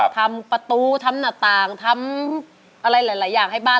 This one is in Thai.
ทำประตูทำหน้าต่างทำอะไรหลายอย่างให้บ้าน